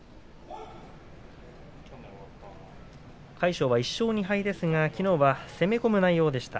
魁勝は１勝２敗ですがきのう攻め込む内容でした。